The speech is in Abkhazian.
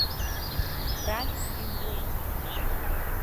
Рак иҩуеит.